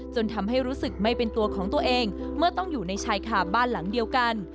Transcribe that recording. จนทำให้รู้สึกไม่เป็นตัวของตัวเองเมื่อต้องอยู่ในชายขาบบ้านหลังเดียวกัน